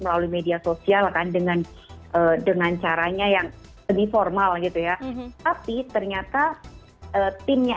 melalui media sosial kan dengan dengan caranya yang lebih formal gitu ya tapi ternyata timnya